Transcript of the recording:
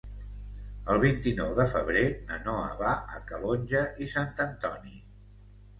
El vint-i-nou de febrer na Noa va a Calonge i Sant Antoni.